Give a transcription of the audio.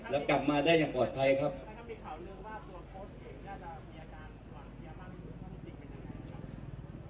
แล้วกลับมาได้อย่างปลอดภัยครับ